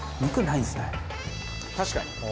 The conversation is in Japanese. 確かに。